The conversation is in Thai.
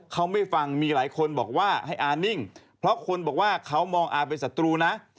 เขาไม่ฟังมีหลายคนบอกว่าให้อานิ่งเพราะคนบอกว่าเขามองอาเป็นศัตรูนะ